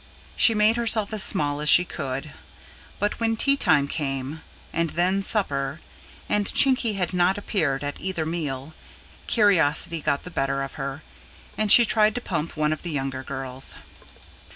She made herself as small as she could; but when tea time came, and then [P.192] supper, and Chinky had not appeared at either meal, curiosity got the better of her, and she tried to pump one of the younger girls.